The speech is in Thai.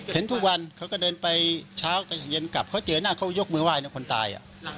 เห็นทุกวันเขาก็เดินไปเช้าเย็นกลับเขาเจอหน้าเขายกมือไห้นะคนตาย